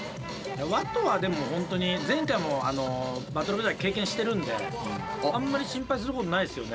ＷＡＴＯはでも本当に前回もバトルオブザイヤー経験してるんであんまり心配することないですよね。